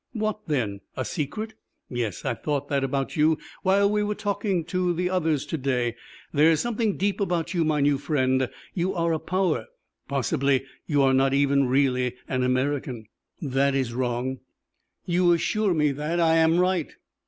"What then? A secret? Yes, I thought that about you while we were talking to the others to day. There is something deep about you, my new friend. You are a power. Possibly you are not even really an American." "That is wrong." "You assure me that I am right.